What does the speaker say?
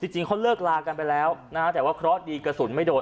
จริงเขาเลิกลากันไปแล้วนะฮะแต่ว่าเคราะห์ดีกระสุนไม่โดน